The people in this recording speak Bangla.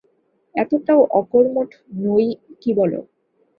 এতটাও অকর্মঠ নই, কি বল?